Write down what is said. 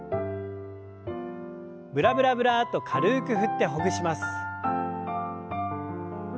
ブラブラブラッと軽く振ってほぐします。